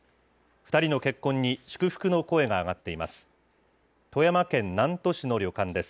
２人の結婚に祝福の声が上がっています。